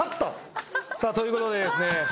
さあということでですね